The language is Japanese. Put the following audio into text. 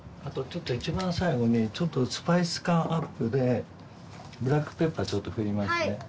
あとちょっと一番最後にちょっとスパイス感アップでブラックペッパーちょっと振りますね。